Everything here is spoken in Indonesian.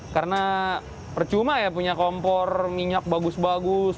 karena percuma ya punya kompor minyak bagus bagus